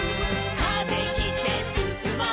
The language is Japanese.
「風切ってすすもう」